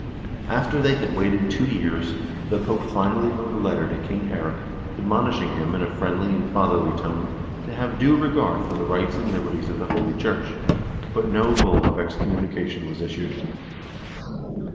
After they had waited two years, the Pope finally wrote a letter to King Eirik, admonishing him in a friendly and fatherly tone to have due regard for the rights and liberties of the holy church ; but no bull of excommunication was issued.